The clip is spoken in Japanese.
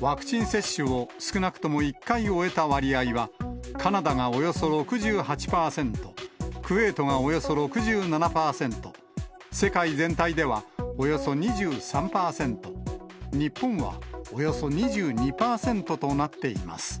ワクチン接種を少なくとも１回終えた割合は、かなだがおよそ６８％、クウェートがおよそ６７％、世界全体ではおよそ２３％、日本はおよそ２２％となっています。